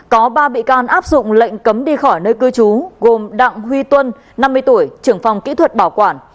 có ba bị can áp dụng lệnh cấm đi khỏi nơi cư trú gồm đặng huy tuân năm mươi tuổi trưởng phòng kỹ thuật bảo quản